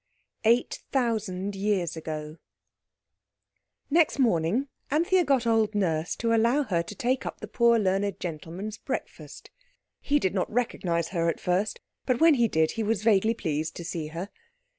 EIGHT THOUSAND YEARS AGO Next morning Anthea got old Nurse to allow her to take up the "poor learned gentleman's" breakfast. He did not recognize her at first, but when he did he was vaguely pleased to see her.